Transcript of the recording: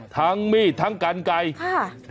ทั้งมีดทั้งกันไก่ค่ะ